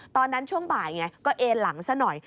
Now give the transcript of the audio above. ตอนนั้นช่วงบ่ายก็เอ็นหลังซะหน่อย